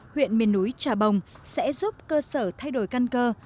huyện miền núi trà bồng sẽ giúp cơ sở thay đổi căn cơ